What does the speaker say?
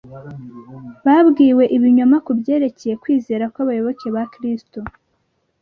babwiwe ibinyoma ku byerekeye kwizera kw’abayoboke ba kristo